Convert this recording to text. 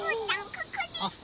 ここでした！